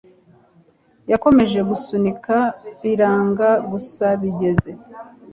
yakomeje gusunika biranga gusa bigeze